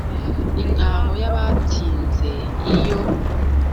intaho y’abatsinze iyo